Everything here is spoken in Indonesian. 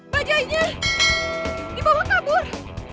bajainya dibawa kabur